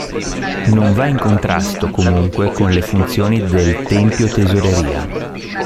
Non va in contrasto, comunque, con le funzioni del tempio-tesoreria.